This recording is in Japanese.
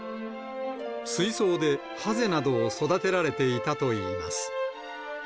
水槽でハゼなどを育てられていたといいます。